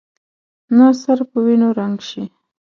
نه سر په وینو رنګ شي.